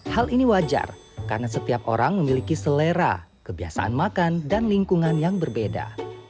hal ini wajar karena setiap orang memiliki selera kebiasaan makan dan lingkungan yang berbeda